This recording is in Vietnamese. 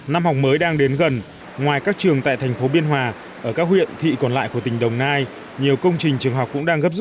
năm học mới đang đến gần ngoài các trường tại thành phố biên hòa ở các huyện thị còn lại của tỉnh đồng nai nhiều công trình trường học cũng đã được đưa vào sử dụng